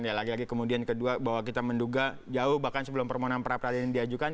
ya lagi lagi kemudian kedua bahwa kita menduga jauh bahkan sebelum permohonan pra peradilan diajukan